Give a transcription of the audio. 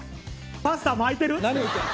パスタ巻いてる？